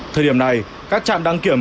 thời điểm này các trạm đăng kiểm